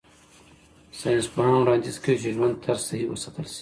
ساینسپوهان وړاندیز کوي چې ژوند طرز صحي وساتل شي.